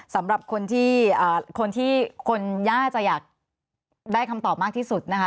สำหรับคนที่คนย่าจะอยากได้คำตอบมากที่สุดนะคะ